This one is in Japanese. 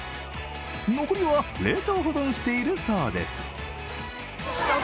残りは冷凍保存しているそうです。